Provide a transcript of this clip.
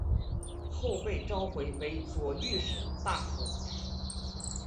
后被召回为左御史大夫。